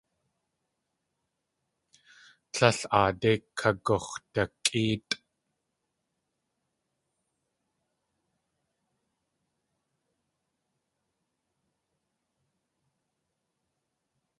Tlél aadé kagux̲dakʼéetʼ.